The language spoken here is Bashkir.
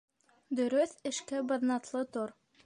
Дөрөҫ эшкә баҙнатлы тор.